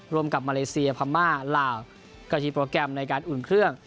ร่วมกับมาเลเซียพม่าลาวก็มีโปรแกรมในการอุ่นเครื่อง